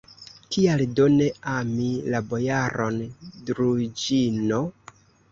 Kial do ne ami la bojaron Druĵino?